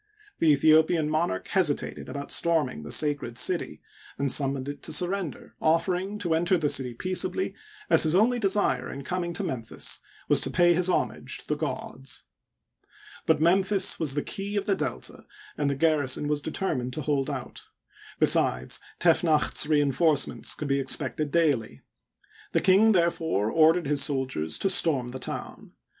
The Aethiopian monarch hesitated about storming the sacred city, and summoned it to surrender, offering to enter the city peaceably, as his only desire in coming to Memphis was to pay his homage to the gods. But Memphis was the key of the Delta, and the garrison was determined to hold out ; besides, Tefnacht 's re en forcements could be expected daily. The king, therefore, ordered his soldiers to storm the town.